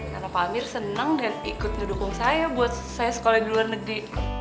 karena pak amir senang dan ikut ngedukung saya buat saya sekolah di luar negeri